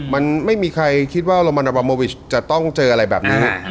มันไม่มีใครคิดว่าโรมันบาโมวิชจะต้องเจออะไรแบบนี้